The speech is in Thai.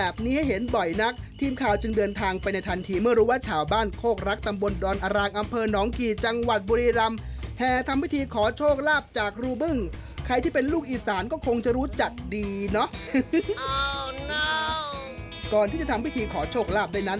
ก่อนที่จะทำพิธีขอโฉคลาบใดนั้น